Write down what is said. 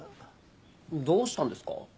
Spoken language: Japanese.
どうしたんですか？